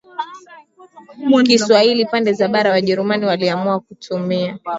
Kiswahili pande za bara Wajerumani waliamua kutumia